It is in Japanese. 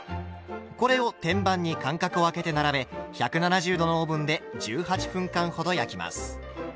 これを天板に間隔をあけて並べ１７０℃のオーブンで１８分間ほど焼きます。